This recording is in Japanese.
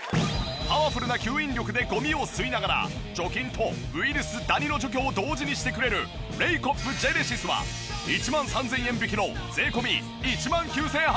パワフルな吸引力でゴミを吸いながら除菌とウイルス・ダニの除去を同時にしてくれるレイコップジェネシスは１万３０００円引きの税込１万９８００円。